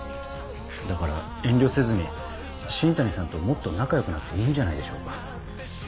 だから遠慮せずに新谷さんともっと仲良くなっていいんじゃないでしょうか？